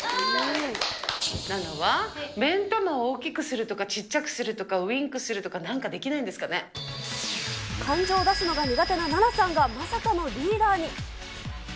ナナは目ん玉を大きくするとか、小っちゃくするとか、ウインクするとか、なんかできないんで感情を出すのが苦手なナナさんが、まさかのリーダーに。